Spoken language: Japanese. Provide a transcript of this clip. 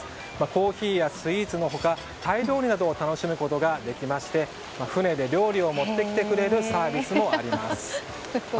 コーヒーやスイーツの他タイ料理なども楽しむことができまして船で料理を持ってきてくれるサービスもあります。